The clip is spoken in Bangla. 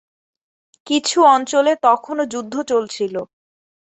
কিছু অঞ্চলে তখনও যুদ্ধ চলছিল।